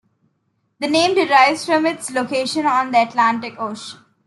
The name derives from its location on the Atlantic Ocean.